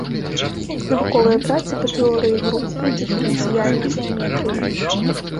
Навуковыя працы па тэорыі груп і дыферэнцыяльнай геаметрыі.